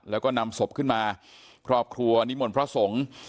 แล้วก็นำสมของประชุมขึ้นมาครอบครัวนิมทรพระสงษ์